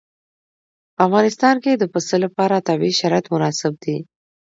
په افغانستان کې د پسه لپاره طبیعي شرایط مناسب دي.